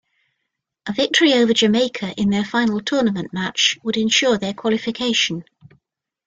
A victory over Jamaica in their final tournament match would ensure their qualification.